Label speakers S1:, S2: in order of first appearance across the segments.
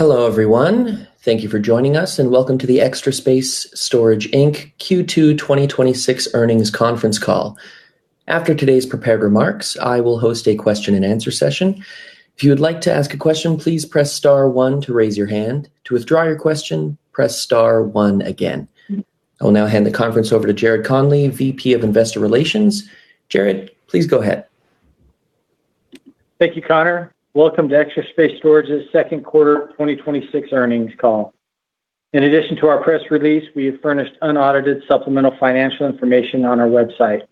S1: Hello, everyone. Thank you for joining us, and welcome to the Extra Space Storage Inc. Q2 2026 Earnings Conference Call. After today's prepared remarks, I will host a question-and-answer session. If you would like to ask a question, please press star one to raise your hand. To withdraw your question, press star one again. I will now hand the conference over to Jared Conley, Vice President of Investor Relations. Jared, please go ahead.
S2: Thank you, Connor. Welcome to Extra Space Storage's second quarter 2026 earnings call. In addition to our press release, we have furnished unaudited supplemental financial information on our website.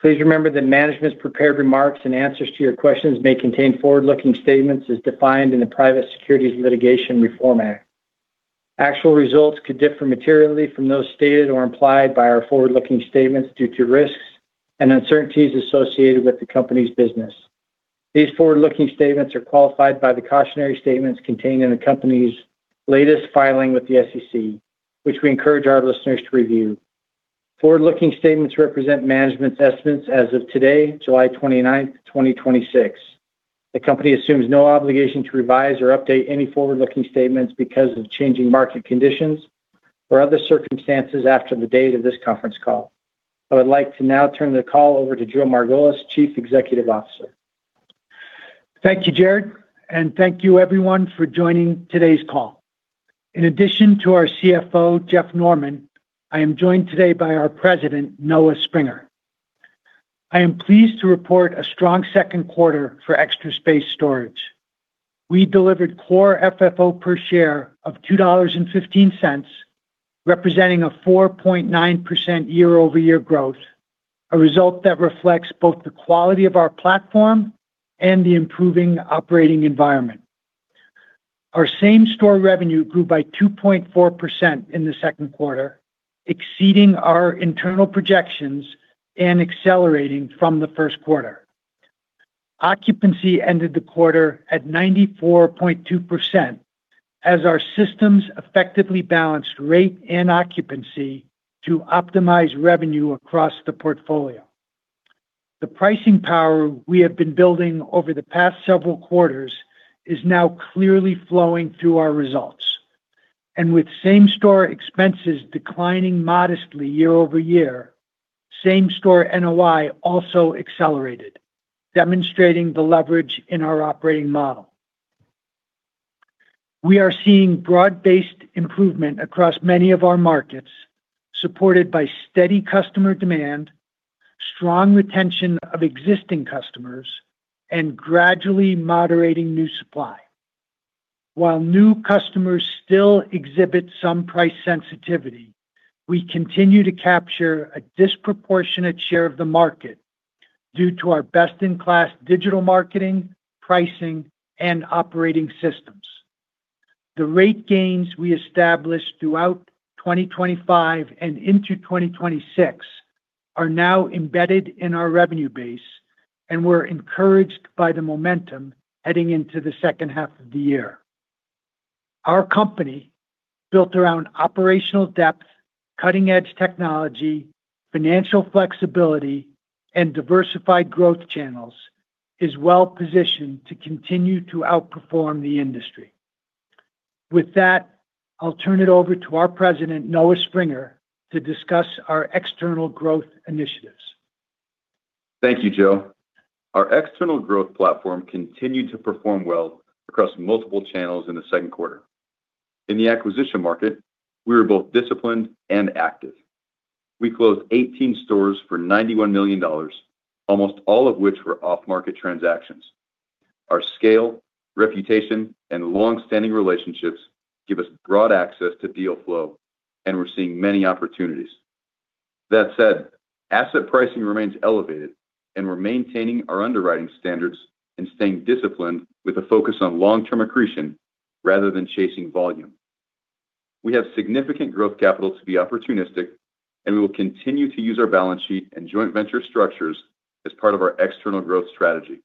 S2: Please remember that management's prepared remarks and answers to your questions may contain forward-looking statements as defined in the Private Securities Litigation Reform Act. Actual results could differ materially from those stated or implied by our forward-looking statements due to risks and uncertainties associated with the company's business. These forward-looking statements are qualified by the cautionary statements contained in the company's latest filing with the SEC, which we encourage our listeners to review. Forward-looking statements represent management's estimates as of today, July 29th, 2026. The company assumes no obligation to revise or update any forward-looking statements because of changing market conditions or other circumstances after the date of this conference call. I would like to now turn the call over to Joe Margolis, Chief Executive Officer.
S3: Thank you, Jared, and thank you everyone for joining today's call. In addition to our Chief Financial Officer, Jeff Norman, I am joined today by our President, Noah Springer. I am pleased to report a strong second quarter for Extra Space Storage. We delivered core FFO per share of $2.15, representing a 4.9% year-over-year growth, a result that reflects both the quality of our platform and the improving operating environment. Our same-store revenue grew by 2.4% in the second quarter, exceeding our internal projections and accelerating from the first quarter. Occupancy ended the quarter at 94.2% as our systems effectively balanced rate and occupancy to optimize revenue across the portfolio. The pricing power we have been building over the past several quarters is now clearly flowing through our results. With same-store expenses declining modestly year-over-year, same-store NOI also accelerated, demonstrating the leverage in our operating model. We are seeing broad-based improvement across many of our markets, supported by steady customer demand, strong retention of existing customers, and gradually moderating new supply. While new customers still exhibit some price sensitivity, we continue to capture a disproportionate share of the market due to our best-in-class digital marketing, pricing, and operating systems. The rate gains we established throughout 2025 and into 2026 are now embedded in our revenue base, and we're encouraged by the momentum heading into the second half of the year. Our company, built around operational depth, cutting-edge technology, financial flexibility, and diversified growth channels, is well positioned to continue to outperform the industry. With that, I'll turn it over to our President, Noah Springer, to discuss our external growth initiatives.
S4: Thank you, Joseph. Our external growth platform continued to perform well across multiple channels in the second quarter. In the acquisition market, we were both disciplined and active. We closed 18 stores for $91 million, almost all of which were off-market transactions. Our scale, reputation, and longstanding relationships give us broad access to deal flow. We're seeing many opportunities. That said, asset pricing remains elevated. We're maintaining our underwriting standards and staying disciplined with a focus on long-term accretion rather than chasing volume. We have significant growth capital to be opportunistic. We will continue to use our balance sheet and joint venture structures as part of our external growth strategy.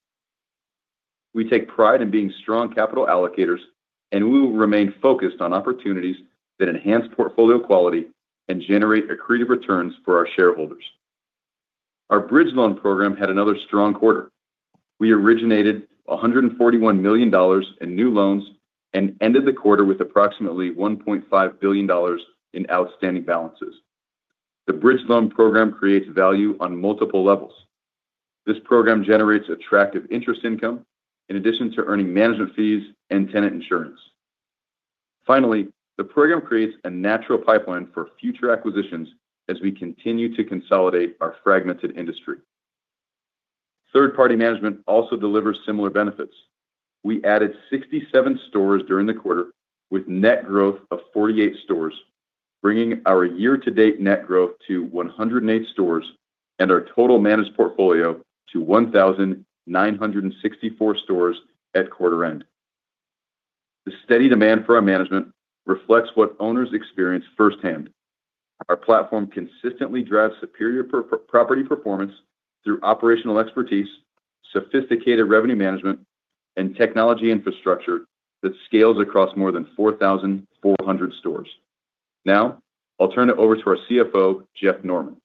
S4: We take pride in being strong capital allocators. We will remain focused on opportunities that enhance portfolio quality and generate accretive returns for our shareholders. Our bridge loan program had another strong quarter. We originated $141 million in new loans and ended the quarter with approximately $1.5 billion in outstanding balances. The bridge loan program creates value on multiple levels. This program generates attractive interest income in addition to earning management fees and tenant insurance. Finally, the program creates a natural pipeline for future acquisitions as we continue to consolidate our fragmented industry. Third-party management also delivers similar benefits. We added 67 stores during the quarter with net growth of 48 stores, bringing our year-to-date net growth to 108 stores and our total managed portfolio to 1,964 stores at quarter end. The steady demand for our management reflects what owners experience firsthand. Our platform consistently drives superior property performance through operational expertise, sophisticated revenue management, and technology infrastructure that scales across more than 4,400 stores. Now, I'll turn it over to our Chief Financial Officer, Jeff Norman.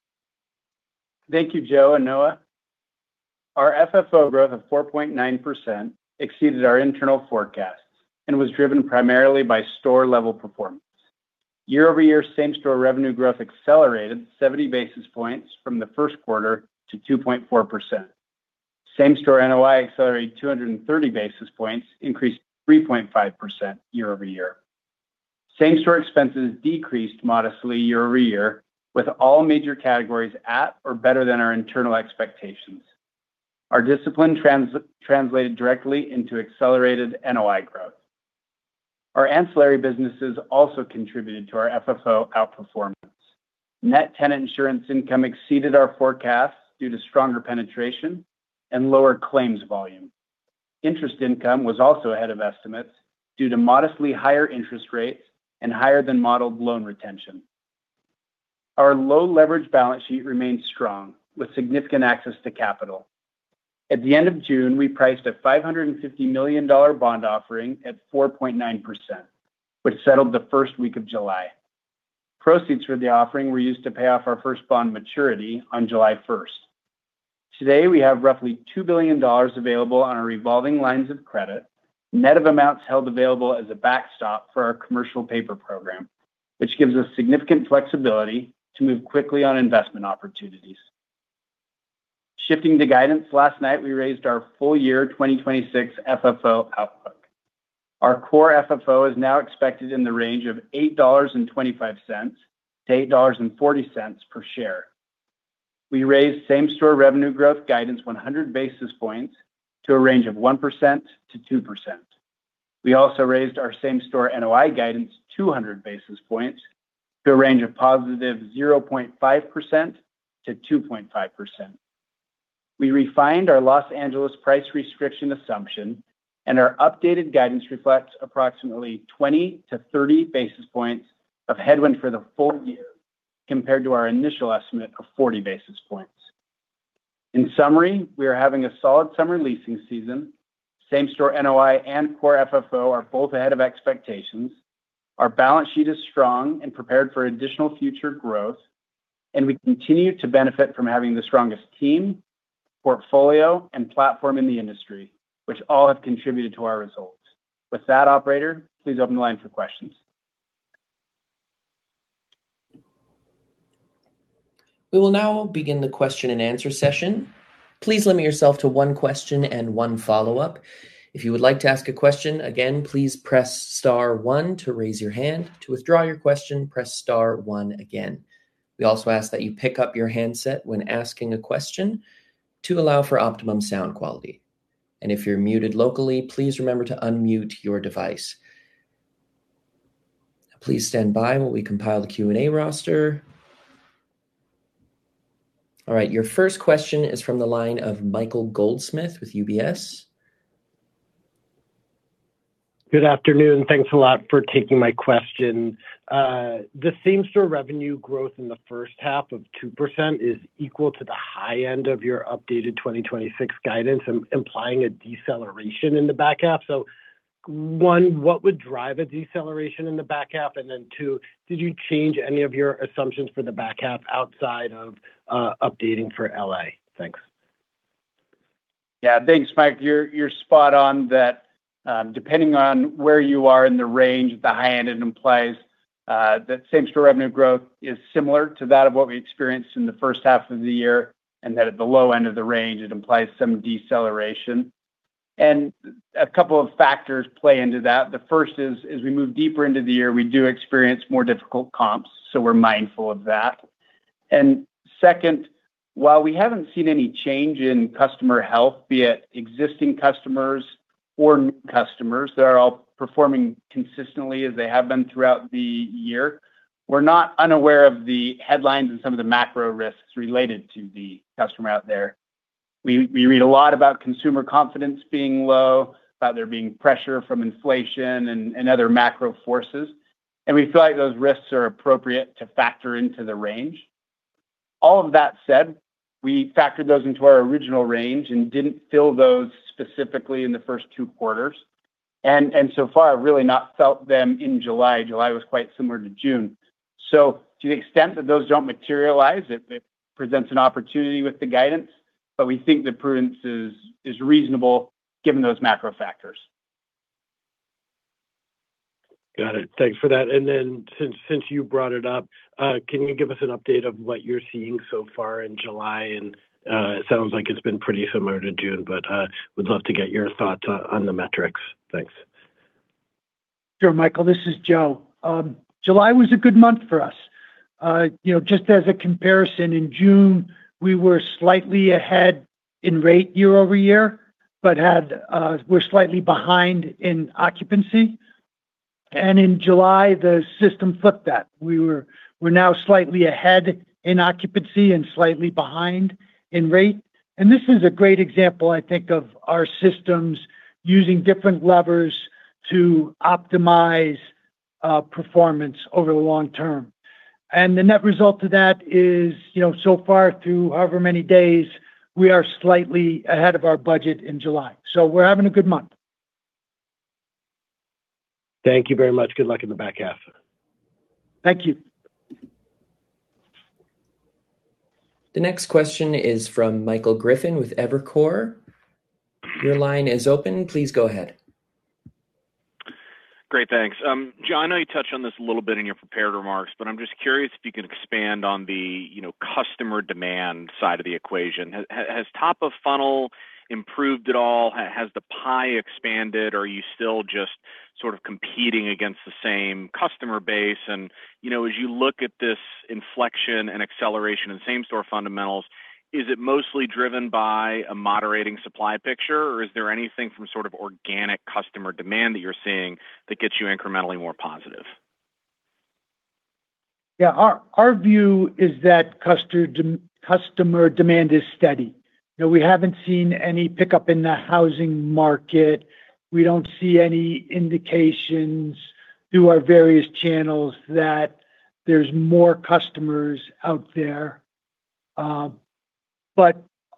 S5: Thank you, Joe and Noah. Our FFO growth of 4.9% exceeded our internal forecasts and was driven primarily by store-level performance. Year-over-year same-store revenue growth accelerated 70 basis points from the first quarter to 2.4%. Same-store NOI accelerated 230 basis points, increased 3.5% year-over-year. Same-store expenses decreased modestly year-over-year with all major categories at or better than our internal expectations. Our discipline translated directly into accelerated NOI growth. Our ancillary businesses also contributed to our FFO outperformance. Net tenant insurance income exceeded our forecasts due to stronger penetration and lower claims volume. Interest income was also ahead of estimates due to modestly higher interest rates and higher than modeled loan retention. Our low leverage balance sheet remained strong, with significant access to capital. At the end of June, we priced a $550 million bond offering at 4.9%, which settled the first week of July. Proceeds for the offering were used to pay off our first bond maturity on July 1st. Today, we have roughly $2 billion available on our revolving lines of credit. Net of amounts held available as a backstop for our commercial paper program, which gives us significant flexibility to move quickly on investment opportunities. Shifting to guidance, last night, we raised our full year 2026 FFO outlook. Our core FFO is now expected in the range of $8.25-$8.40 per share. We raised same-store revenue growth guidance 100 basis points to a range of 1%-2%. We also raised our same-store NOI guidance 200 basis points to a range of positive 0.5%-2.5%. We refined our L.A. price restriction assumption, Our updated guidance reflects approximately 20 basis points-30 basis points of headwind for the full year compared to our initial estimate of 40 basis points. In summary, we are having a solid summer leasing season. Same-store NOI and core FFO are both ahead of expectations. Our balance sheet is strong and prepared for additional future growth, and we continue to benefit from having the strongest team, portfolio, and platform in the industry, which all have contributed to our results. With that, Operator, please open the line for questions.
S1: We will now begin the question-and-answer session. Please limit yourself to one question and one follow-up. If you would like to ask a question, again, please press star one to raise your hand. To withdraw your question, press star one again. We also ask that you pick up your handset when asking a question to allow for optimum sound quality. If you're muted locally, please remember to unmute your device. Please stand by while we compile the question-and-answer roster. All right. Your first question is from the line of Michael Goldsmith with UBS.
S6: Good afternoon. Thanks a lot for taking my question. The same-store revenue growth in the first half of 2% is equal to the high end of your updated 2026 guidance, implying a deceleration in the back half. One, what would drive a deceleration in the back half? Two, did you change any of your assumptions for the back half outside of updating for L.A.? Thanks.
S5: Yeah. Thanks, Mike. You're spot on that depending on where you are in the range, the high end it implies that same-store revenue growth is similar to that of what we experienced in the first half of the year, and that at the low end of the range, it implies some deceleration. A couple of factors play into that. The first is, as we move deeper into the year, we do experience more difficult comps, so we're mindful of that. Second, while we haven't seen any change in customer health, be it existing customers or new customers, they're all performing consistently as they have been throughout the year. We're not unaware of the headlines and some of the macro risks related to the customer out there. We read a lot about consumer confidence being low, about there being pressure from inflation and other macro forces. We feel like those risks are appropriate to factor into the range. All of that said, we factored those into our original range and didn't feel those specifically in the first two quarters. So far, really not felt them in July. July was quite similar to June. To the extent that those don't materialize, it presents an opportunity with the guidance, but we think the prudence is reasonable given those macro factors.
S6: Got it. Thanks for that. Since you brought it up, can you give us an update of what you're seeing so far in July? It sounds like it's been pretty similar to June, but would love to get your thoughts on the metrics. Thanks.
S3: Sure, Michael, this is Joe. July was a good month for us. Just as a comparison, in June, we were slightly ahead in rate year-over-year, but we're slightly behind in occupancy. In July, the system flipped that. We're now slightly ahead in occupancy and slightly behind in rate. This is a great example, I think, of our systems using different levers to optimize performance over the long term. The net result of that is so far through however many days, we are slightly ahead of our budget in July. We're having a good month.
S6: Thank you very much. Good luck in the back half.
S3: Thank you.
S1: The next question is from Michael Griffin with Evercore ISI. Your line is open. Please go ahead.
S7: Great, thanks. Joe, I know you touched on this a little bit in your prepared remarks, but I'm just curious if you can expand on the customer demand side of the equation. Has top of funnel improved at all? Has the pie expanded? Are you still just sort of competing against the same customer base? As you look at this inflection and acceleration in same-store fundamentals, is it mostly driven by a moderating supply picture, or is there anything from sort of organic customer demand that you're seeing that gets you incrementally more positive?
S3: Yeah. Our view is that customer demand is steady. We haven't seen any pickup in the housing market. We don't see any indications through our various channels that there's more customers out there.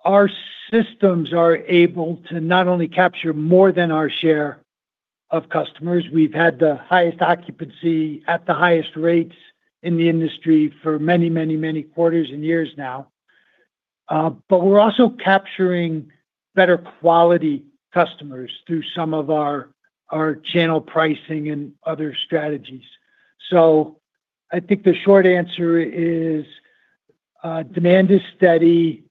S3: Our systems are able to not only capture more than our share of customers, we've had the highest occupancy at the highest rates in the industry for many quarters and years now. We're also capturing better quality customers through some of our channel pricing and other strategies. I think the short answer is demand is steady,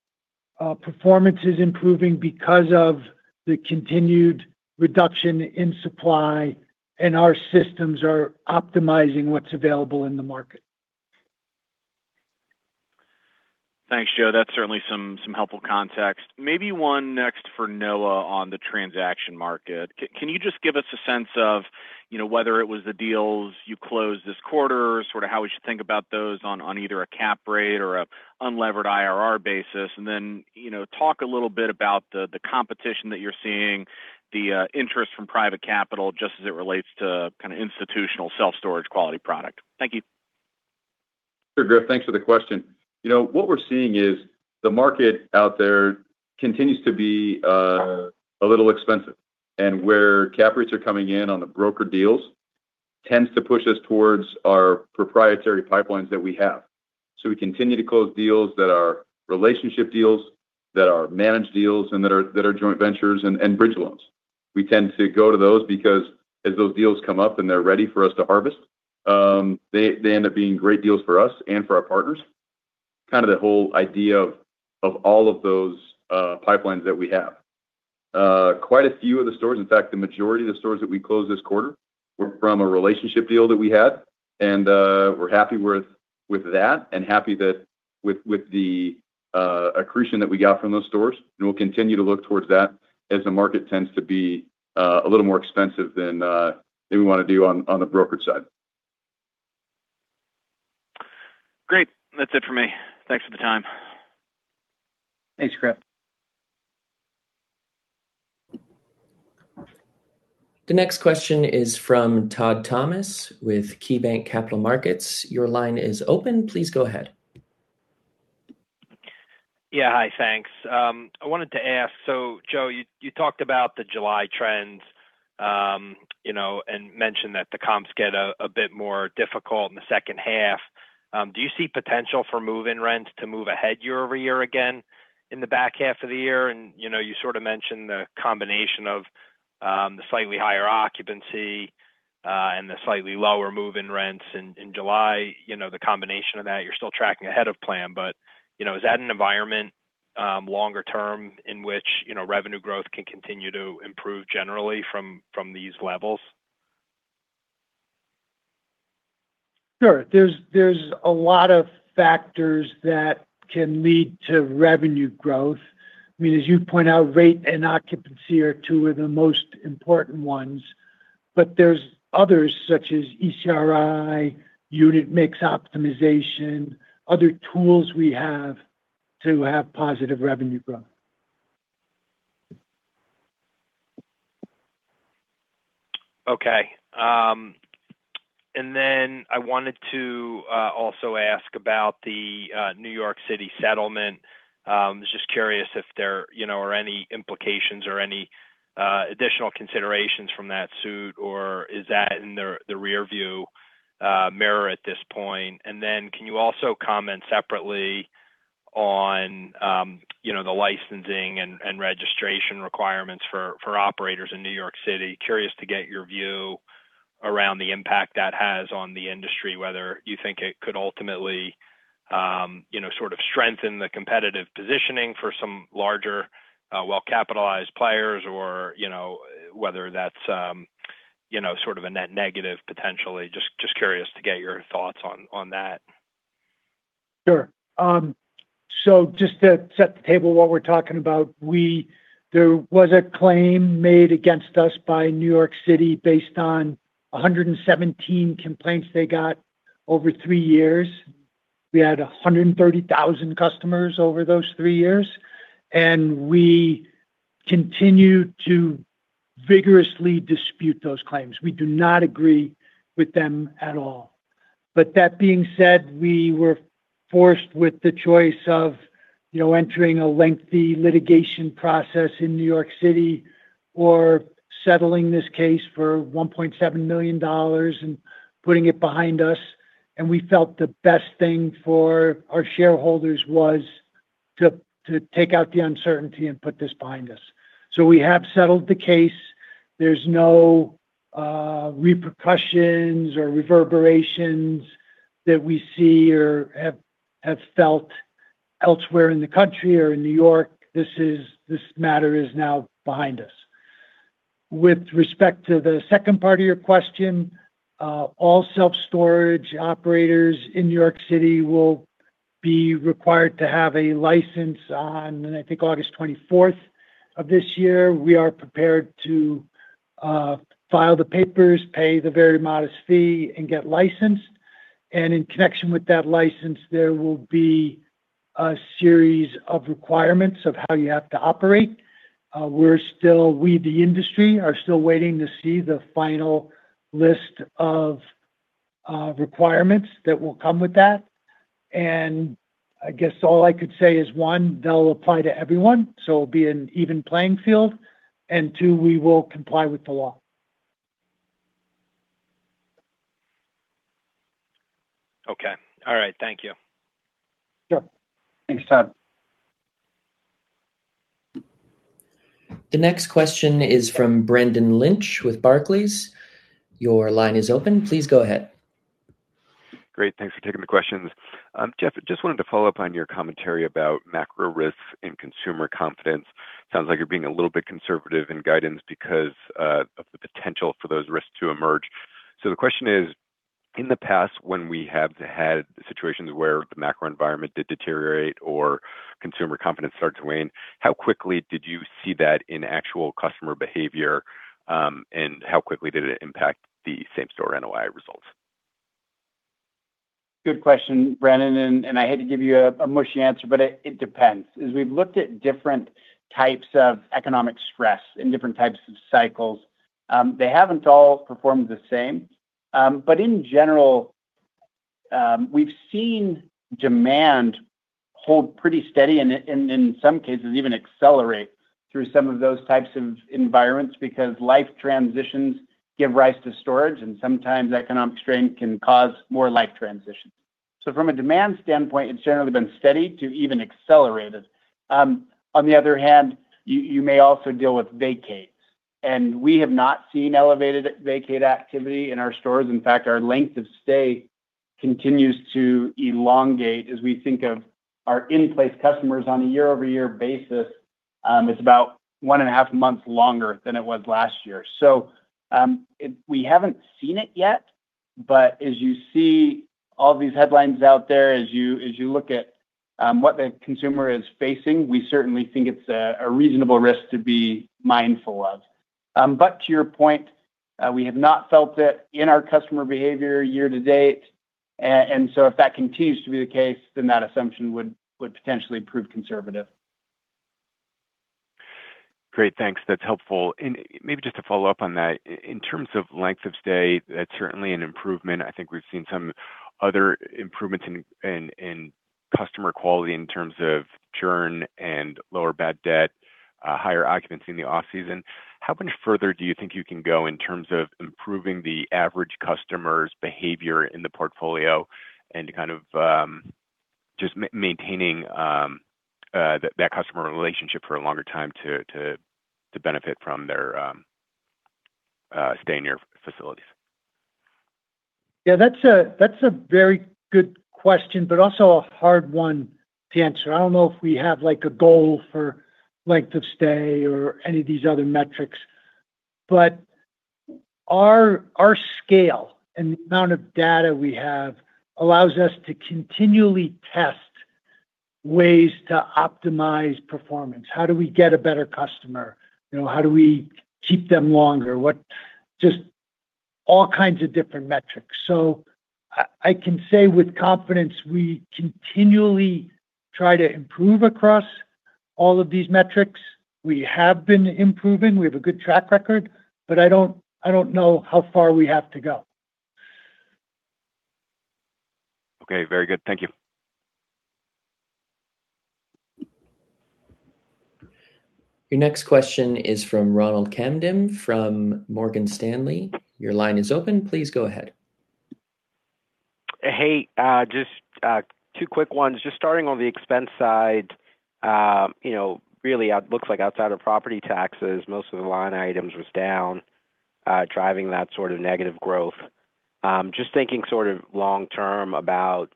S3: performance is improving because of the continued reduction in supply, and our systems are optimizing what's available in the market.
S7: Thanks, Joe. That's certainly some helpful context. Maybe one next for Noah on the transaction market. Can you just give us a sense of whether it was the deals you closed this quarter, sort of how we should think about those on either a cap rate or an unlevered IRR basis? Then talk a little bit about the competition that you're seeing, the interest from private capital, just as it relates to kind of institutional self-storage quality product. Thank you.
S4: Sure, Griffin. Thanks for the question. What we're seeing is the market out there continues to be a little expensive. Where cap rates are coming in on the broker deals tends to push us towards our proprietary pipelines that we have. We continue to close deals that are relationship deals, that are managed deals, and that are joint ventures and bridge loans. We tend to go to those because as those deals come up and they're ready for us to harvest, they end up being great deals for us and for our partners. Kind of the whole idea of all of those pipelines that we have. Quite a few of the stores, in fact, the majority of the stores that we closed this quarter, were from a relationship deal that we had, and we're happy with that and happy with the accretion that we got from those stores. We'll continue to look towards that as the market tends to be a little more expensive than we want to do on the brokerage side.
S7: Great. That's it for me. Thanks for the time.
S3: Thanks, Griff.
S1: The next question is from Todd Thomas with KeyBanc Capital Markets. Your line is open. Please go ahead.
S8: Yeah. Hi, thanks. I wanted to ask, Joe, you talked about the July trends, mentioned that the comps get a bit more difficult in the second half. Do you see potential for move-in rents to move ahead year-over-year again in the back half of the year? You sort of mentioned the combination of the slightly higher occupancy, the slightly lower move-in rents in July, the combination of that, you're still tracking ahead of plan. Is that an environment, longer term, in which revenue growth can continue to improve generally from these levels?
S3: Sure. There's a lot of factors that can lead to revenue growth. As you point out, rate and occupancy are two of the most important ones, but there's others, such as ECRI, unit mix optimization, other tools we have to have positive revenue growth.
S8: Okay. I wanted to also ask about the New York City settlement. I was just curious if there are any implications or any additional considerations from that suit, or is that in the rear view mirror at this point? Can you also comment separately on the licensing and registration requirements for operators in New York City? Curious to get your view around the impact that has on the industry, whether you think it could ultimately sort of strengthen the competitive positioning for some larger, well-capitalized players, or whether that's sort of a net negative potentially. Just curious to get your thoughts on that.
S3: Sure. Just to set the table what we're talking about, there was a claim made against us by New York City based on 117 complaints they got over three years. We had 130,000 customers over those three years. We continue to vigorously dispute those claims. We do not agree with them at all. That being said, we were forced with the choice of entering a lengthy litigation process in New York City or settling this case for $1.7 million and putting it behind us, and we felt the best thing for our shareholders was to take out the uncertainty and put this behind us. We have settled the case. There's no repercussions or reverberations that we see or have felt elsewhere in the country or in New York. This matter is now behind us. With respect to the second part of your question, all self-storage operators in New York City will be required to have a license on, I think, August 24th of this year. We are prepared to file the papers, pay the very modest fee, and get licensed. In connection with that license, there will be a series of requirements of how you have to operate. We, the industry, are still waiting to see the final list of requirements that will come with that. I guess all I could say is, one, they'll apply to everyone, so it'll be an even playing field, and two, we will comply with the law.
S8: Okay. All right. Thank you.
S3: Sure. Thanks, Todd.
S1: The next question is from Brendan Lynch with Barclays. Your line is open. Please go ahead.
S9: Great. Thanks for taking the questions. Jeff, just wanted to follow up on your commentary about macro risks and consumer confidence. Sounds like you're being a little bit conservative in guidance because of the potential for those risks to emerge. The question is, in the past, when we have had situations where the macro environment did deteriorate or consumer confidence started to wane, how quickly did you see that in actual customer behavior? How quickly did it impact the same-store NOI results?
S5: Good question, Brendan, I hate to give you a mushy answer, it depends. As we've looked at different types of economic stress and different types of cycles, they haven't all performed the same. In general, we've seen demand hold pretty steady and in some cases even accelerate through some of those types of environments because life transitions give rise to storage, and sometimes economic strain can cause more life transitions. From a demand standpoint, it's generally been steady to even accelerated. On the other hand, you may also deal with vacates. We have not seen elevated vacate activity in our stores. In fact, our length of stay continues to elongate as we think of our in-place customers on a year-over-year basis. It's about one and a half months longer than it was last year. We haven't seen it yet, but as you see all these headlines out there, as you look at what the consumer is facing, we certainly think it's a reasonable risk to be mindful of. To your point, we have not felt it in our customer behavior year to date. If that continues to be the case, that assumption would potentially prove conservative.
S9: Great, thanks. That's helpful. Maybe just to follow up on that, in terms of length of stay, that's certainly an improvement. I think we've seen some other improvements in customer quality in terms of churn and lower bad debt, higher occupancy in the off-season. How much further do you think you can go in terms of improving the average customer's behavior in the portfolio and to kind of just maintaining that customer relationship for a longer time to benefit from their stay in your facilities?
S3: Yeah, that's a very good question, but also a hard one to answer. I don't know if we have a goal for length of stay or any of these other metrics, but our scale and the amount of data we have allows us to continually test ways to optimize performance. How do we get a better customer? How do we keep them longer? Just all kinds of different metrics. I can say with confidence we continually try to improve across all of these metrics. We have been improving. We have a good track record, but I don't know how far we have to go.
S9: Okay. Very good. Thank you.
S1: Your next question is from Ronald Kamdem from Morgan Stanley. Your line is open. Please go ahead.
S10: Hey. Just two quick ones. Just starting on the expense side, really it looks like outside of property taxes, most of the line items was down, driving that sort of negative growth. Just thinking sort of long term about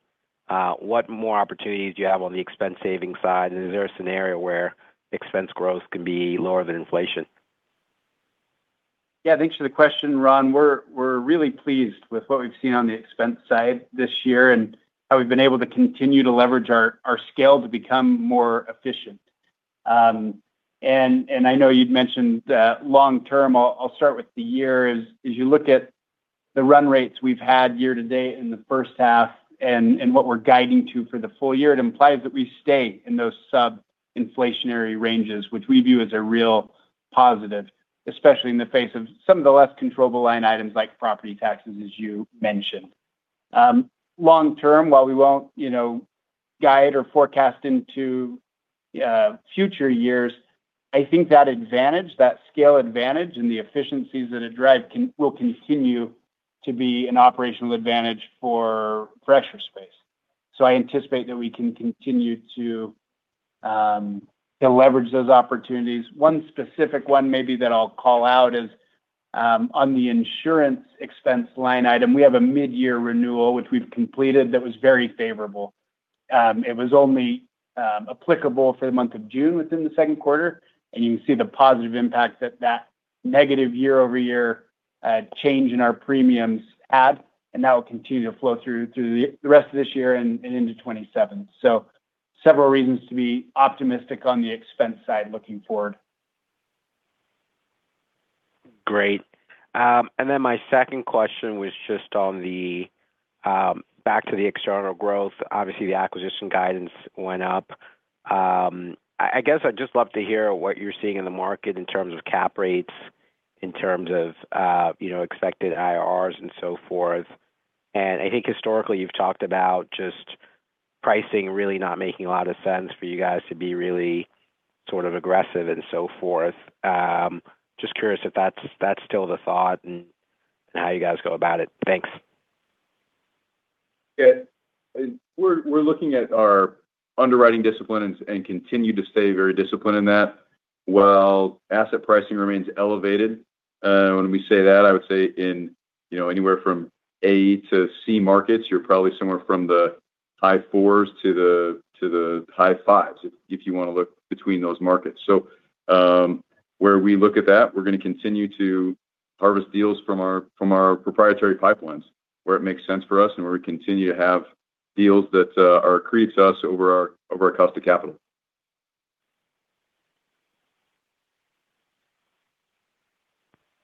S10: what more opportunities do you have on the expense saving side, and is there a scenario where expense growth can be lower than inflation?
S5: Yeah. Thanks for the question, Ronald. We're really pleased with what we've seen on the expense side this year and how we've been able to continue to leverage our scale to become more efficient. I know you'd mentioned long term. I'll start with the year. As you look at the run rates we've had year-to-date in the first half what we're guiding to for the full year, it implies that we stay in those sub-inflationary ranges, which we view as a real positive, especially in the face of some of the less controllable line items like property taxes, as you mentioned. Long term, while we won't guide or forecast into future years, I think that scale advantage and the efficiencies that it drive will continue to be an operational advantage for Extra Space. I anticipate that we can continue to leverage those opportunities. One specific one maybe that I'll call out is on the insurance expense line item, we have a mid-year renewal, which we've completed, that was very favorable. It was only applicable for the month of June within the second quarter, and you can see the positive impact that that negative year-over-year change in our premiums had, and that will continue to flow through the rest of this year and into 2027. Several reasons to be optimistic on the expense side looking forward.
S10: Great. My second question was just back to the external growth. Obviously, the acquisition guidance went up. I guess I'd just love to hear what you're seeing in the market in terms of cap rates, in terms of expected IRRs and so forth. I think historically, you've talked about just pricing really not making a lot of sense for you guys to be really sort of aggressive and so forth. Just curious if that's still the thought and how you guys go about it. Thanks.
S4: Yeah. We're looking at our underwriting discipline and continue to stay very disciplined in that. While asset pricing remains elevated, when we say that, I would say in anywhere from A markets-C markets, you're probably somewhere from the high fours to the high fives, if you want to look between those markets. Where we look at that, we're going to continue to harvest deals from our proprietary pipelines where it makes sense for us and where we continue to have deals that accretes us over our cost of capital.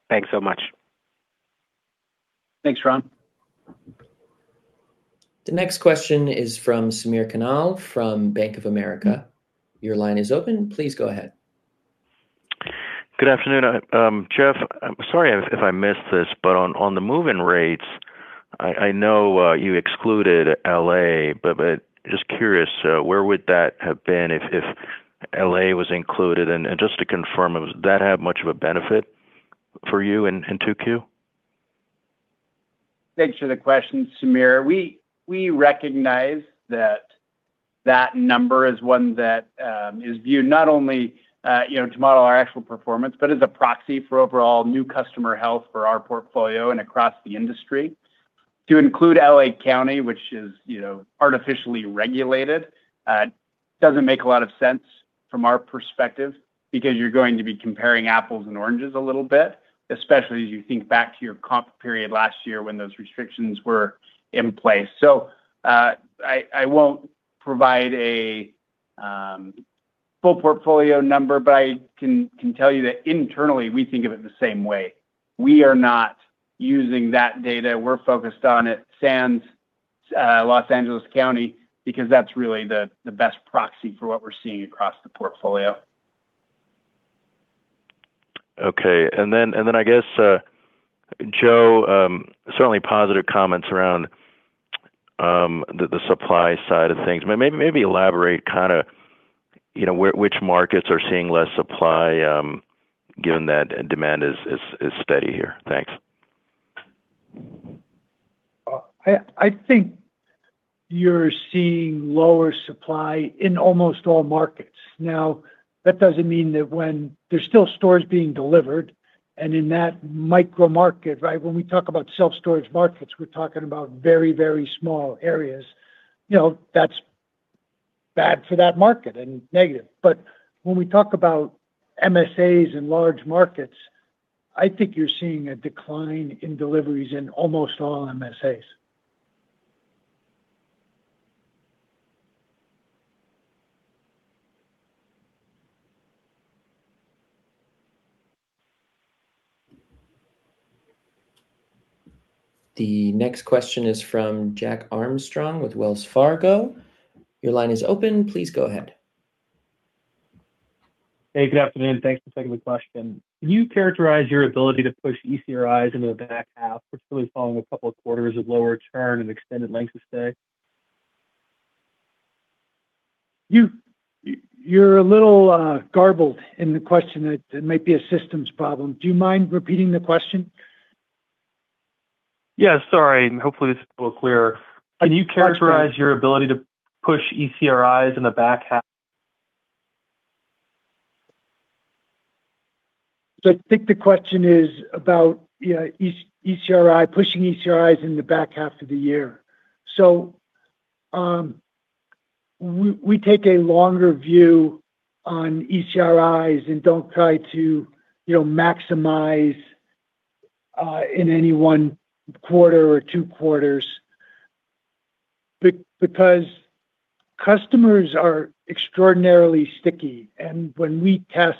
S10: Thanks so much.
S5: Thanks, Ron.
S1: The next question is from Samir Khanal from Bank of America. Your line is open. Please go ahead.
S11: Good afternoon. Jeff, I'm sorry if I missed this, but on the move-in rates, I know you excluded L.A., but just curious, where would that have been if L.A. was included? Just to confirm, did that have much of a benefit for you in 2Q?
S5: Thanks for the question, Samir. We recognize that that number is one that is viewed not only to model our actual performance, but as a proxy for overall new customer health for our portfolio and across the industry. To include L.A. County, which is artificially regulated, doesn't make a lot of sense from our perspective because you're going to be comparing apples and oranges a little bit, especially as you think back to your comp period last year when those restrictions were in place. I won't provide a full portfolio number, but I can tell you that internally, we think of it the same way. We are not using that data. We're focused on it sans Los Angeles County because that's really the best proxy for what we're seeing across the portfolio.
S11: Okay. I guess, Joe, certainly positive comments around the supply side of things. Maybe elaborate kind of which markets are seeing less supply, given that demand is steady here. Thanks.
S3: I think you're seeing lower supply in almost all markets. Now, that doesn't mean that when there's still stores being delivered, and in that micro market, when we talk about self-storage markets, we're talking about very, very small areas. That's bad for that market and negative, but when we talk about MSAs and large markets, I think you're seeing a decline in deliveries in almost all MSAs.
S1: The next question is from Jack Armstrong with Wells Fargo. Your line is open. Please go ahead.
S12: Hey, good afternoon. Thanks for taking the question. Can you characterize your ability to push ECRIs into the back half, particularly following a couple of quarters of lower churn and extended lengths of stay?
S3: You're a little garbled in the question. It might be a systems problem. Do you mind repeating the question?
S12: Yeah, sorry. Hopefully this is a little clearer.
S3: That's better.
S12: Can you characterize your ability to push ECRIs in the back half?
S3: I think the question is about pushing ECRIs in the back half of the year. We take a longer view on ECRIs and don't try to maximize in any one quarter or two quarters because customers are extraordinarily sticky. When we test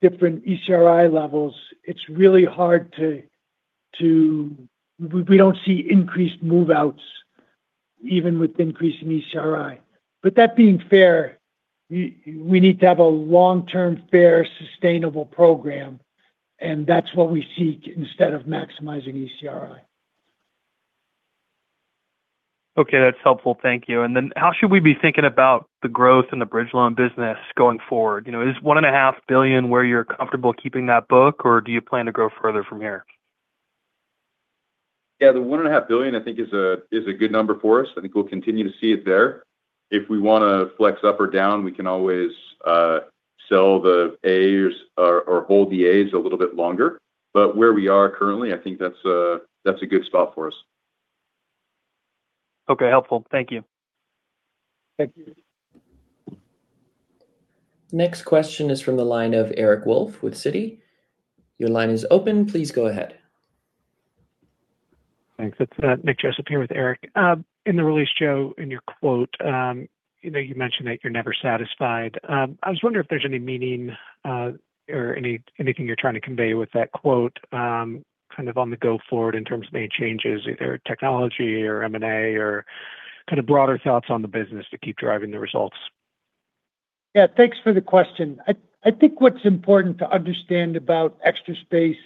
S3: different ECRI levels, we don't see increased move-outs even with increase in ECRI. That being fair, we need to have a long-term, fair, sustainable program, and that's what we seek instead of maximizing ECRI.
S12: Okay. That's helpful. Thank you. How should we be thinking about the growth in the bridge loan business going forward? Is $1.5 billion where you're comfortable keeping that book, or do you plan to grow further from here?
S4: Yeah. The $1.5 billion I think is a good number for us. I think we'll continue to see it there. If we want to flex up or down, we can always sell the A's or hold the A's a little bit longer. Where we are currently, I think that's a good spot for us.
S12: Okay. Helpful. Thank you.
S3: Thank you.
S1: Next question is from the line of Eric Wolfe with Citi. Your line is open. Please go ahead.
S13: Thanks. It's Nick Joseph here with Eric. In the release, Joe, in your quote, you mentioned that you're never satisfied. I was wondering if there's any meaning or anything you're trying to convey with that quote, kind of on the go forward in terms of any changes, either technology or M&A or kind of broader thoughts on the business to keep driving the results.
S3: Yeah. Thanks for the question. I think what's important to understand about Extra Space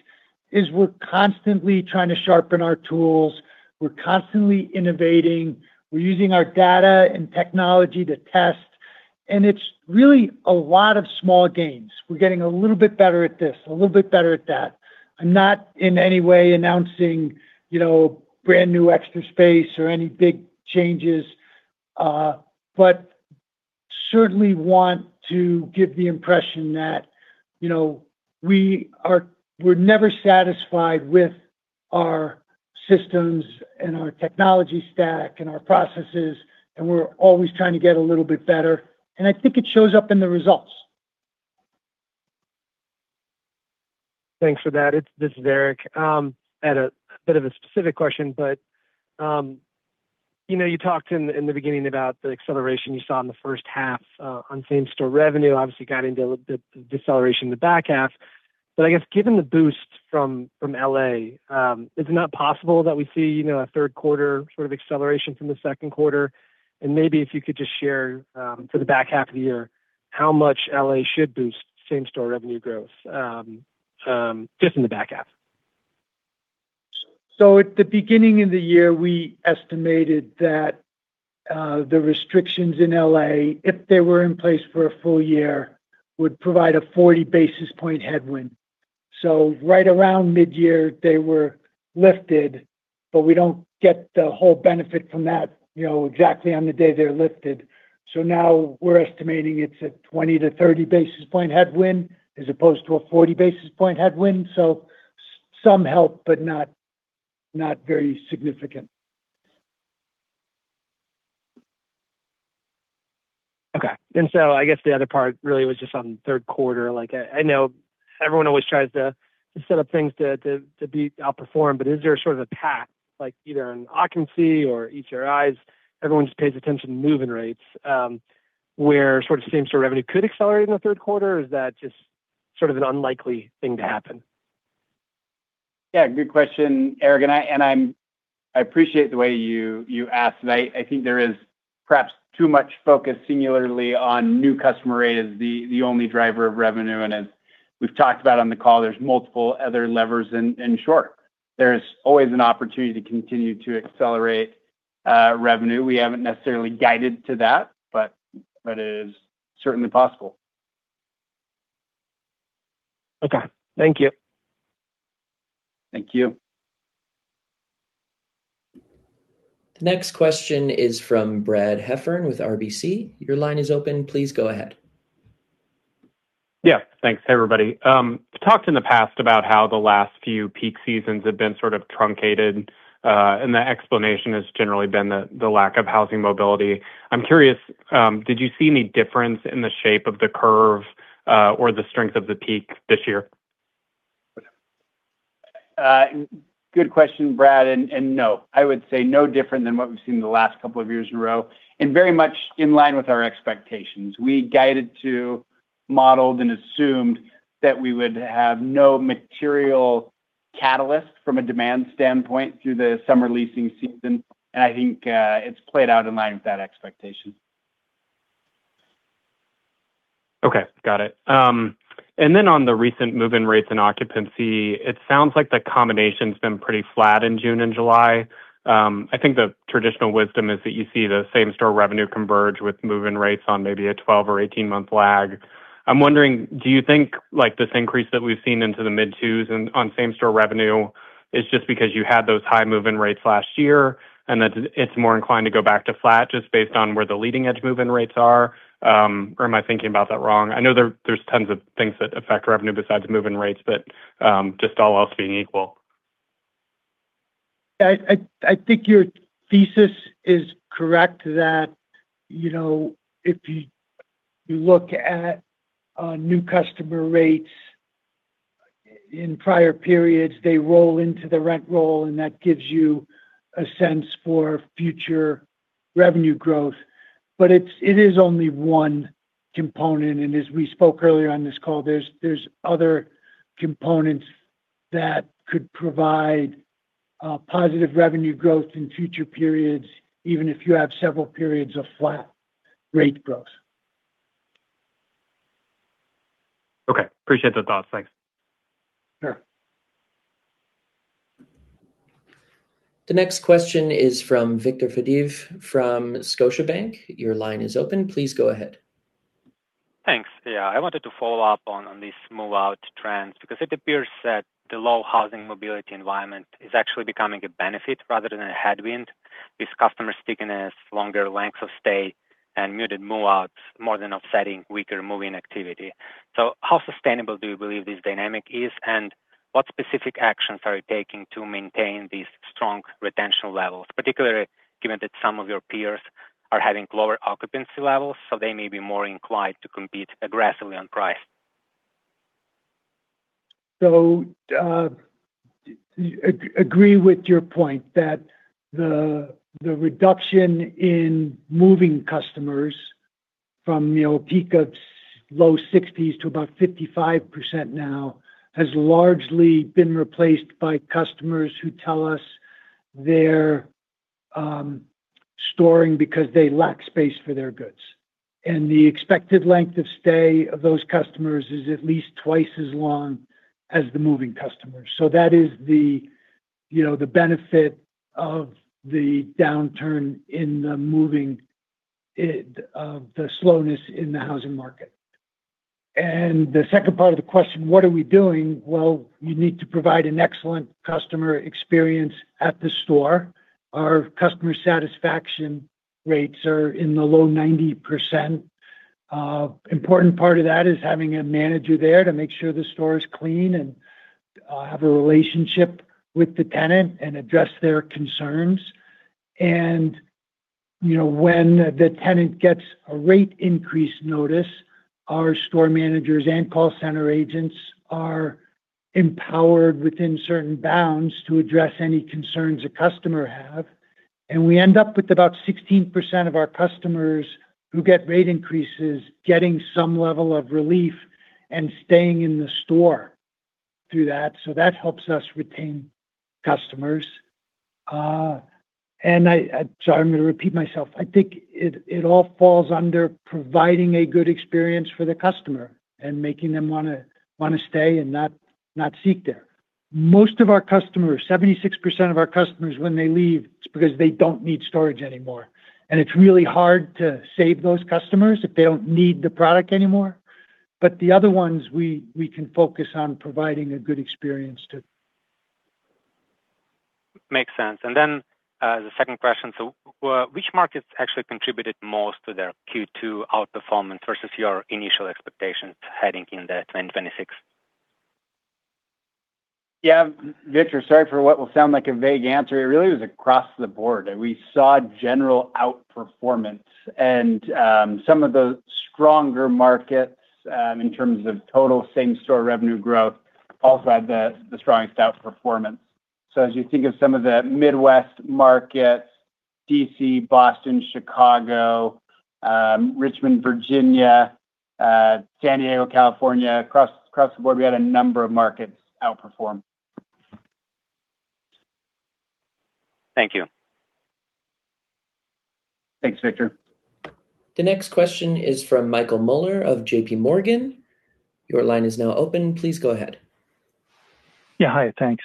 S3: is we're constantly trying to sharpen our tools. We're constantly innovating. We're using our data and technology to test, and it's really a lot of small gains. We're getting a little bit better at this, a little bit better at that. I'm not in any way announcing brand-new Extra Space or any big changes. Certainly want to give the impression that we're never satisfied with our systems and our technology stack and our processes, and we're always trying to get a little bit better, and I think it shows up in the results.
S14: Thanks for that. This is Eric. Had a bit of a specific question. You talked in the beginning about the acceleration you saw in the first half on same-store revenue. Obviously got into a little bit of deceleration in the back half. I guess given the boost from L.A., is it not possible that we see a third quarter sort of acceleration from the second quarter? Maybe if you could just share, for the back half of the year, how much L.A. should boost same-store revenue growth, just in the back half.
S3: At the beginning of the year, we estimated that the restrictions in L.A., if they were in place for a full year, would provide a 40 basis point headwind. Right around mid-year, they were lifted, but we don't get the whole benefit from that exactly on the day they're lifted. Now we're estimating it's a 20 basis point-30 basis point headwind as opposed to a 40 basis point headwind. Some help, but not very significant.
S14: Okay. I guess the other part really was just on third quarter. I know everyone always tries to set up things to beat outperform. Is there sort of a path, either in occupancy or ECRIs, everyone just pays attention to move-in rates, where sort of same-store revenue could accelerate in the third quarter, or is that just sort of an unlikely thing to happen?
S4: Yeah. Good question, Eric. I appreciate the way you asked. I think there is perhaps too much focus singularly on new customer rate as the only driver of revenue. As we've talked about on the call, there's multiple other levers. In short, there's always an opportunity to continue to accelerate revenue. We haven't necessarily guided to that, but it is certainly possible.
S14: Okay. Thank you.
S4: Thank you.
S1: The next question is from Brad Heffern with RBC Capital Markets. Your line is open. Please go ahead.
S15: Yeah. Thanks. Hey, everybody. Talked in the past about how the last few peak seasons have been sort of truncated, and the explanation has generally been the lack of housing mobility. I'm curious, did you see any difference in the shape of the curve, or the strength of the peak this year?
S4: Good question, Brad. No. I would say no different than what we've seen in the last couple of years in a row, and very much in line with our expectations. We guided to, modeled, and assumed that we would have no material catalyst from a demand standpoint through the summer leasing season, and I think it's played out in line with that expectation.
S15: Okay. Got it. On the recent move-in rates and occupancy, it sounds like the combination's been pretty flat in June and July. I think the traditional wisdom is that you see the same-store revenue converge with move-in rates on maybe a 12-month or 18-month lag. I'm wondering, do you think this increase that we've seen into the mid twos on same-store revenue is just because you had those high move-in rates last year, and that it's more inclined to go back to flat just based on where the leading-edge move-in rates are? Am I thinking about that wrong? I know there's tons of things that affect revenue besides move-in rates, but just all else being equal.
S3: I think your thesis is correct that if you look at new customer rates in prior periods, they roll into the rent roll, and that gives you a sense for future revenue growth. It is only one component, and as we spoke earlier on this call, there's other components that could provide positive revenue growth in future periods, even if you have several periods of flat rate growth.
S15: Okay. Appreciate the thoughts. Thanks.
S3: Sure.
S1: The next question is from Victor Fadool from Scotiabank. Your line is open. Please go ahead.
S16: Thanks. Yeah, I wanted to follow up on these move-out trends because it appears that the low housing mobility environment is actually becoming a benefit rather than a headwind, with customer stickiness, longer lengths of stay, and muted move-outs more than offsetting weaker move-in activity. How sustainable do you believe this dynamic is, and what specific actions are you taking to maintain these strong retention levels, particularly given that some of your peers are having lower occupancy levels, they may be more inclined to compete aggressively on price?
S3: Agree with your point that the reduction in moving customers from a peak of low 60s to about 55% now has largely been replaced by customers who tell us they're storing because they lack space for their goods. The expected length of stay of those customers is at least twice as long as the moving customers. That is the benefit of the downturn in the moving, of the slowness in the housing market. The second part of the question, what are we doing? Well, you need to provide an excellent customer experience at the store. Our customer satisfaction rates are in the low 90%. Important part of that is having a manager there to make sure the store is clean and have a relationship with the tenant and address their concerns. When the tenant gets a rate increase notice, our store managers and call center agents are empowered within certain bounds to address any concerns a customer have. We end up with about 16% of our customers who get rate increases, getting some level of relief, and staying in the store through that. That helps us retain customers. Sorry, I'm going to repeat myself. I think it all falls under providing a good experience for the customer and making them want to stay and not seek there. Most of our customers, 76% of our customers when they leave, it's because they don't need storage anymore. It's really hard to save those customers if they don't need the product anymore. The other ones, we can focus on providing a good experience to.
S16: Makes sense. Then, the second question, which markets actually contributed most to their Q2 outperformance versus your initial expectations heading into 2026?
S5: Victor, sorry for what will sound like a vague answer. It really was across the board. We saw general outperformance and some of the stronger markets, in terms of total same-store revenue growth, also had the strongest outperformance. As you think of some of the Midwest markets, D.C., Boston, Chicago, Richmond, Virginia, San Diego, California, across the board, we had a number of markets outperform.
S16: Thank you.
S5: Thanks, Victor.
S1: The next question is from Michael Mueller of JPMorgan. Your line is now open. Please go ahead.
S17: Yeah, hi. Thanks.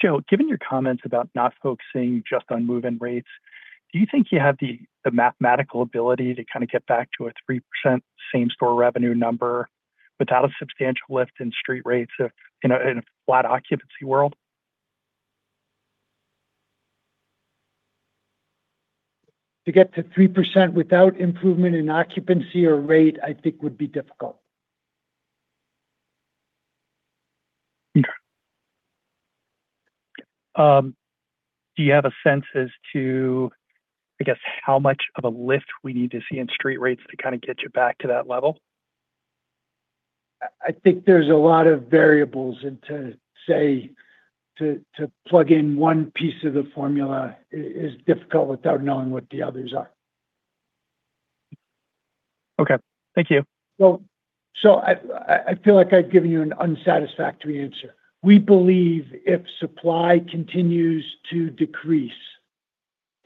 S17: Joe, given your comments about not focusing just on move-in rates, do you think you have the mathematical ability to kind of get back to a 3% same-store revenue number without a substantial lift in street rates in a flat occupancy world?
S3: To get to 3% without improvement in occupancy or rate, I think would be difficult.
S17: Okay. Do you have a sense as to, I guess, how much of a lift we need to see in street rates to kind of get you back to that level?
S3: I think there's a lot of variables, to say, to plug in one piece of the formula is difficult without knowing what the others are.
S17: Okay. Thank you.
S3: I feel like I've given you an unsatisfactory answer. We believe if supply continues to decrease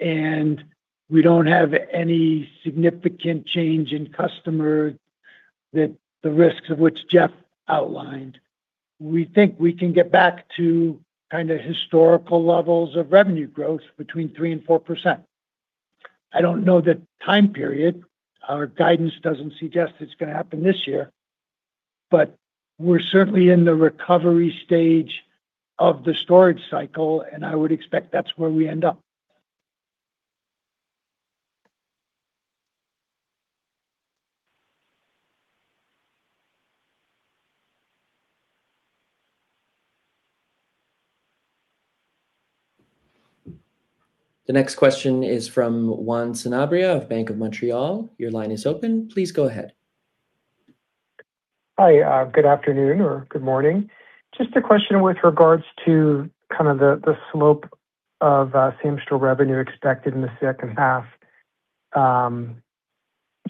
S3: and we don't have any significant change in customer, the risks of which Jeff outlined, we think we can get back to kind of historical levels of revenue growth between 3%-4%. I don't know the time period. Our guidance doesn't suggest it's going to happen this year. We're certainly in the recovery stage of the storage cycle, and I would expect that's where we end up.
S1: The next question is from Juan Sanabria of Bank of Montreal. Your line is open. Please go ahead.
S18: Hi. Good afternoon or good morning. Just a question with regards to the slope of same-store revenue expected in the second half.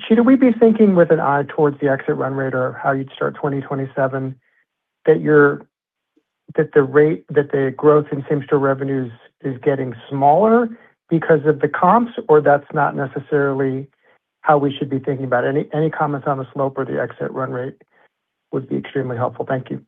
S18: Should we be thinking with an eye towards the exit run rate or how you'd start 2027, that the growth in same-store revenues is getting smaller because of the comps, or that's not necessarily how we should be thinking about it? Any comments on the slope or the exit run rate would be extremely helpful. Thank you.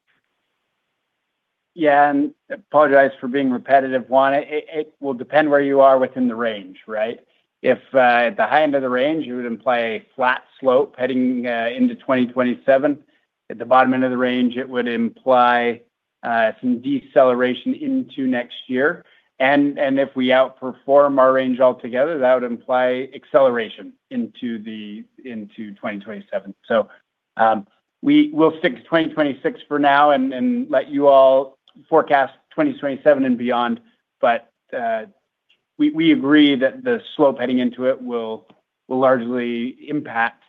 S5: Yeah, apologize for being repetitive, Juan. It will depend where you are within the range, right? If at the high end of the range, you would imply flat slope heading into 2027. At the bottom end of the range, it would imply some deceleration into next year. If we outperform our range altogether, that would imply acceleration into 2027. We will stick to 2026 for now and let you all forecast 2027 and beyond, but we agree that the slope heading into it will largely impact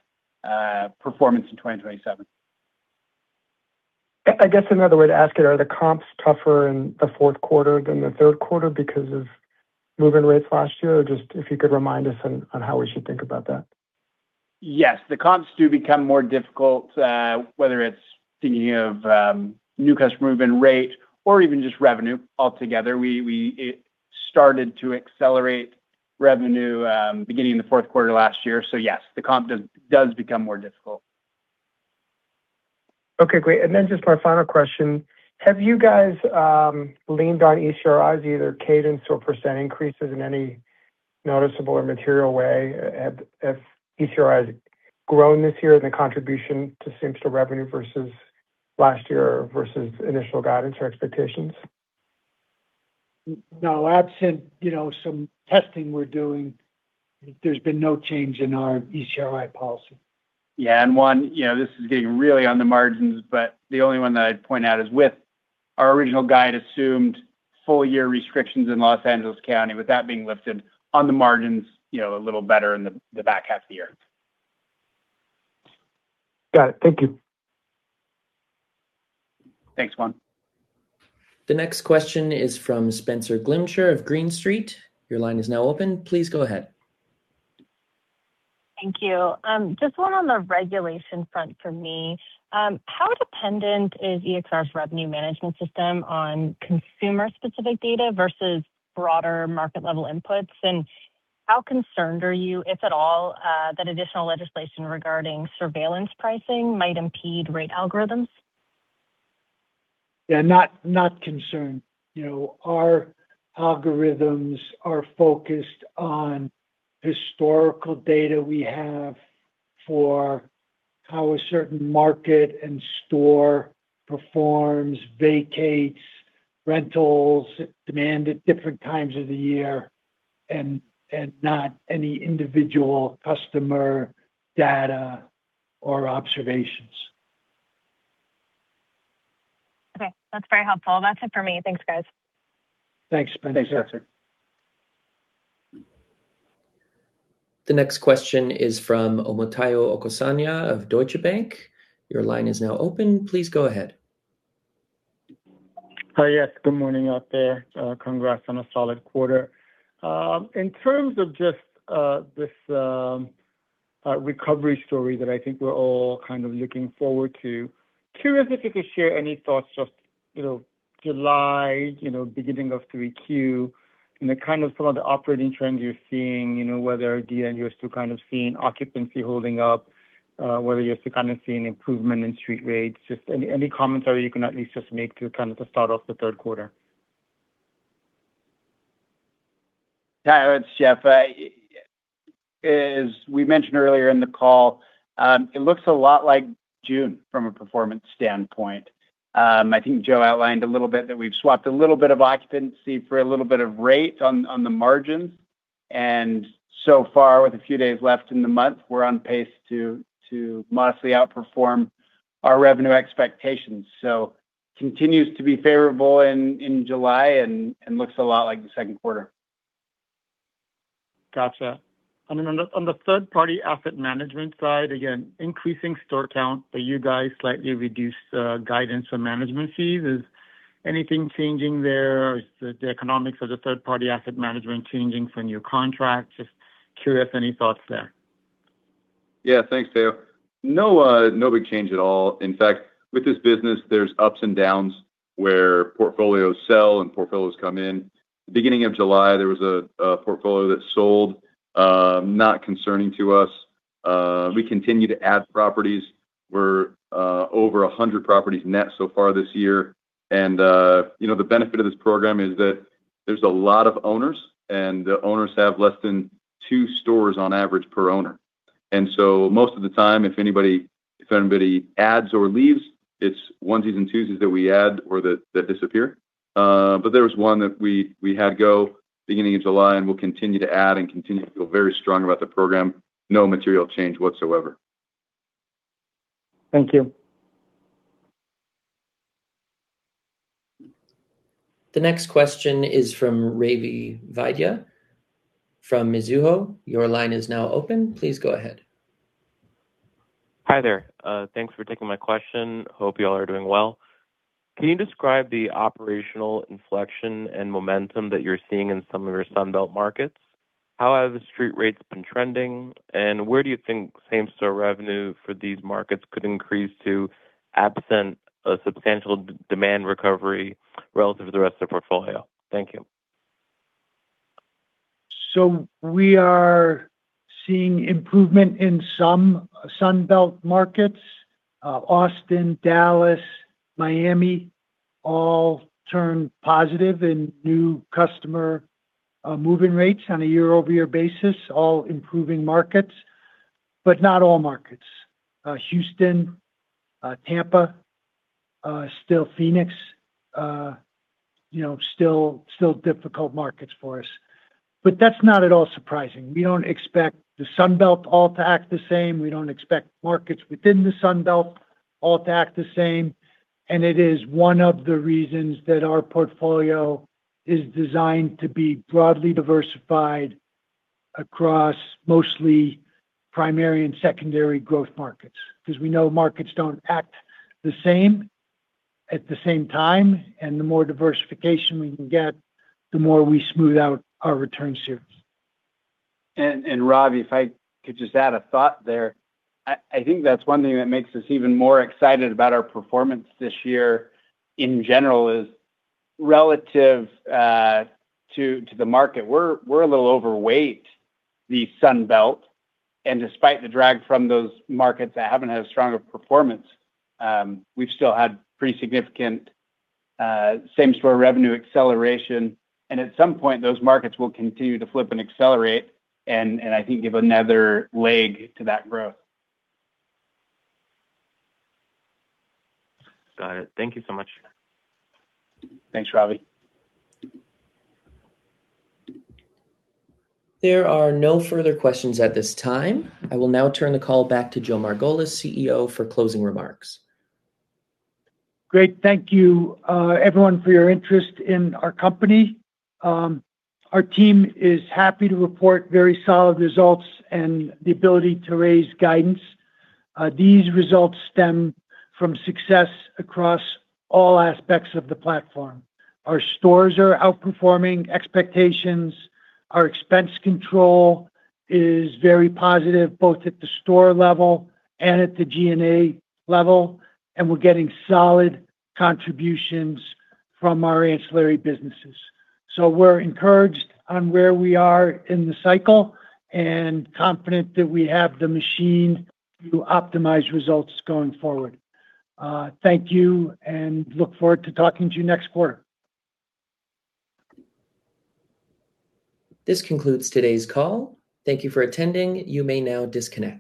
S5: performance in 2027.
S18: I guess another way to ask it, are the comps tougher in the fourth quarter than the third quarter because of move-in rates last year? Just if you could remind us on how we should think about that.
S5: Yes, the comps do become more difficult, whether it's thinking of new customer move-in rate or even just revenue altogether. We started to accelerate revenue beginning the fourth quarter last year, yes, the comp does become more difficult.
S18: Okay, great. Just my final question, have you guys leaned on ECRI as either cadence or % increases in any noticeable or material way? Have ECRI grown this year as a contribution to same-store revenue versus last year, versus initial guidance or expectations?
S3: No. Absent some testing we're doing, there's been no change in our ECRI policy.
S5: Yeah. One, this is getting really on the margins, but the only one that I'd point out is with our original guide assumed full-year restrictions in Los Angeles County. With that being lifted, on the margins, a little better in the back half of the year.
S18: Got it. Thank you.
S5: Thanks, Juan.
S1: The next question is from Spenser Glimcher of Green Street. Your line is now open. Please go ahead.
S19: Thank you. Just one on the regulation front from me. How dependent is EXR's revenue management system on consumer specific data versus broader market level inputs? And how concerned are you, if at all, that additional legislation regarding surveillance pricing might impede rate algorithms?
S3: Yeah, not concerned. Our algorithms are focused on historical data we have for how a certain market and store performs, vacates, rentals, demand at different times of the year, and not any individual customer data or observations.
S19: Okay. That's very helpful. That's it for me. Thanks, guys.
S3: Thanks, Spenser.
S5: Thanks, Spenser.
S1: The next question is from Omotayo Okusanya of Deutsche Bank. Your line is now open. Please go ahead.
S20: Hi. Yes. Good morning out there. Congrats on a solid quarter. In terms of just this recovery story that I think we're all kind of looking forward to, curious if you could share any thoughts, just July, beginning of 3Q, and the kind of some of the operating trends you're seeing, whether do you kind of seeing occupancy holding up, whether you're kind of seeing improvement in street rates. Just any comments that you can at least just make to start off the third quarter?
S5: Yeah. It's Jeff. As we mentioned earlier in the call, it looks a lot like June from a performance standpoint. I think Joe outlined a little bit that we've swapped a little bit of occupancy for a little bit of rate on the margins, and so far with a few days left in the month, we're on pace to modestly outperform our revenue expectations. Continues to be favorable in July and looks a lot like the second quarter.
S20: Gotcha. Then on the third party asset management side, again, increasing store count, but you guys slightly reduced guidance on management fees. Is anything changing there? Is the economics of the third party asset management changing from your contract? Just curious any thoughts there.
S4: Yeah. Thanks, Tayo. No big change at all. In fact, with this business, there's ups and downs where portfolios sell and portfolios come in. Beginning of July, there was a portfolio that sold, not concerning to us. We continue to add properties. We're over 100 properties net so far this year. The benefit of this program is that there's a lot of owners, and the owners have less than two stores on average per owner. Most of the time, if anybody adds or leaves, it's onesies and twosies that we add or that disappear. There was one that we had go beginning of July, and we'll continue to add and continue to feel very strong about the program. No material change whatsoever.
S20: Thank you.
S1: The next question is from Ravi Vaidya from Mizuho. Your line is now open. Please go ahead.
S21: Hi there. Thanks for taking my question. Hope you all are doing well. Can you describe the operational inflection and momentum that you're seeing in some of your Sun Belt markets? How have the street rates been trending, and where do you think same-store revenue for these markets could increase to absent a substantial demand recovery relative to the rest of the portfolio? Thank you.
S3: We are seeing improvement in some Sun Belt markets. Austin, Dallas, Miami all turned positive in new customer move-in rates on a year-over-year basis, all improving markets, but not all markets. Houston, Tampa, still Phoenix, still difficult markets for us. That's not at all surprising. We don't expect the Sun Belt all to act the same. We don't expect markets within the Sun Belt all to act the same, and it is one of the reasons that our portfolio is designed to be broadly diversified across mostly primary and secondary growth markets. We know markets don't act the same at the same time, and the more diversification we can get, the more we smooth out our return series.
S5: Ravi, if I could just add a thought there. I think that's one thing that makes us even more excited about our performance this year in general is relative to the market. We're a little overweight the Sun Belt, despite the drag from those markets that haven't had as strong a performance, we've still had pretty significant same-store revenue acceleration, at some point, those markets will continue to flip and accelerate and I think give another leg to that growth.
S21: Got it. Thank you so much.
S5: Thanks, Ravi.
S1: There are no further questions at this time. I will now turn the call back to Joe Margolis, Chief Executive Officer, for closing remarks.
S3: Great. Thank you, everyone, for your interest in our company. Our team is happy to report very solid results and the ability to raise guidance. These results stem from success across all aspects of the platform. Our stores are outperforming expectations. Our expense control is very positive, both at the store level and at the G&A level, and we're getting solid contributions from our ancillary businesses. We're encouraged on where we are in the cycle and confident that we have the machine to optimize results going forward. Thank you, and look forward to talking to you next quarter.
S1: This concludes today's call. Thank you for attending. You may now disconnect.